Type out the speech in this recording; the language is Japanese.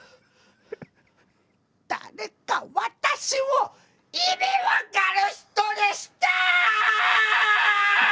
誰か私を意味分かる人にして！